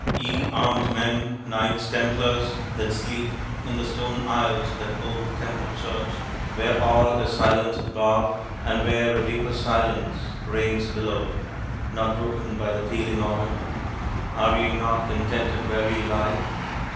Ye armed men, knights templars, that sleep in the stone aisles of that old Temple church, where all is silent above, and where a deeper silence reigns below (not broken by the pealing organ), are ye not contented where ye lie?